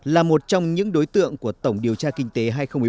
là một trong những đối tượng của tổng điều tra kinh tế hai nghìn một mươi bốn